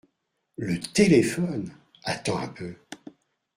Le téléphone ! attends un peu…